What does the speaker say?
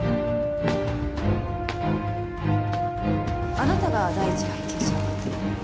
あなたが第一発見者？